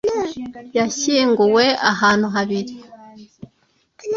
yashyinguwe he Ahantu habiri